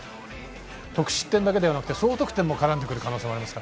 得失点だけではなくて総得点も絡んでくる可能性があります。